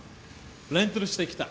レンタルしてきた。